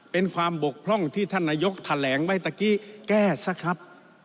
เป็นความบกพร่องที่ท่านนายกแถลงไว้ตะกี้แก้ซะครับ